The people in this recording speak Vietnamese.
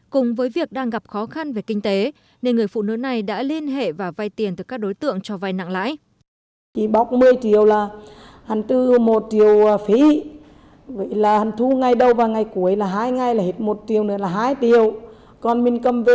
cùng với việc đang gặp khó khăn về kinh tế nên người phụ nữ này đã liên hệ và vay tiền từ các đối tượng cho vai nặng lãi